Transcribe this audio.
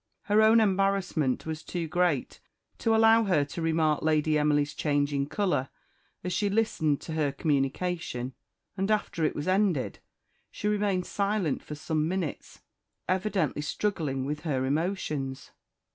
Her own embarrassment was too great to allow her to remark Lady Emily's changing colour, as she listened to her communication; and after it was ended she remained silent for some minutes, evidently struggling with her emotions.